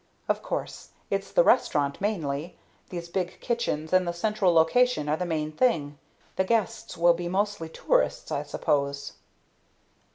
"Of course, it's the restaurant mainly these big kitchens and the central location are the main thing. The guests will be mostly tourists, I suppose."